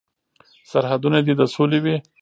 سرحدونه دې د سولې وي.